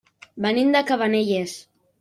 Venim de Cabanelles.